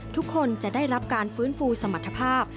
ทุกคนจะได้รับการฟื้นฟูสมรรถภาพ